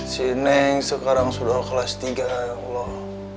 si neng sekarang sudah kelas tiga ya allah